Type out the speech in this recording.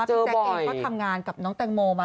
แจ๊คเองก็ทำงานกับน้องแตงโมมา